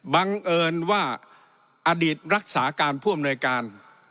บังเอิญว่าอดีตรักษาการผู้อำนวยการ